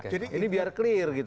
jadi ini biar clear gitu